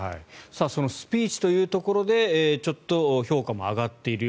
そのスピーチというところで評価も上がっている。